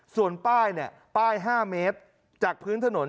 ส่วนป้าย๕เมตรจากพื้นถนน